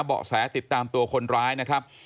เบาะแสติดตามตัวคนร้ายนะครับ